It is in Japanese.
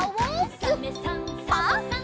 「サメさんサバさん」